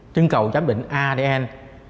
trưng cầu giám định adn